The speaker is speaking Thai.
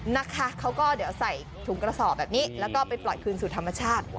นะคะเขาก็เดี๋ยวใส่ถุงกระสอบแบบนี้แล้วก็ไปปล่อยคืนสู่ธรรมชาติ